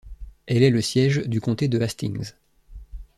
Elle est le siège du comté de Hastings.